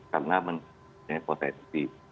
karena punya potensi